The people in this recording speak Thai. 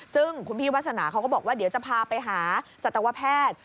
ซึ่งคุณพี่วาสนาเขาก็บอกว่าเดี๋ยวจะพาไปหาสัตวแพทย์